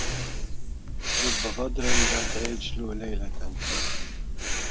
رب بدر بات يجلو ليلة